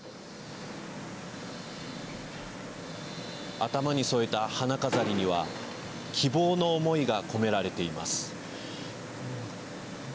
頭に添えた花飾りには希望の思いが込められています。